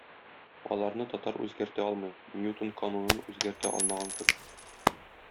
Аларны татар үзгәртә алмый, Ньютон канунын үзгәртә алмаган кебек.